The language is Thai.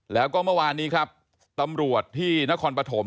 แล้วก็เมื่อวานนี้ครับตำรวจที่นครปฐม